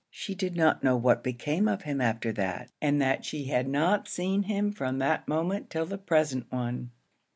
She did not know what became of him after that, and that she had not seen him from that moment till the present one.